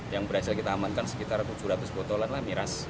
yang berhasil kita amankan sekitar tujuh ratus botol miras